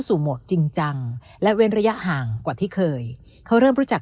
โหมดจริงจังและเว้นระยะห่างกว่าที่เคยเขาเริ่มรู้จัก